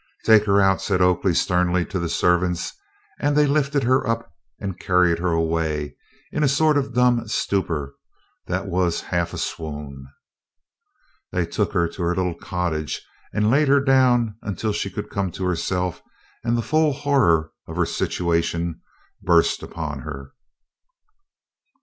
"Take her out," said Oakley sternly to the servants; and they lifted her up and carried her away in a sort of dumb stupor that was half a swoon. They took her to her little cottage, and laid her down until she could come to herself and the full horror of her situation burst upon her.